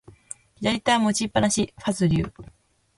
左手は持ちっぱなし、ファズリウ。